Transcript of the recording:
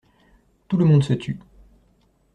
Tout le monde se tut.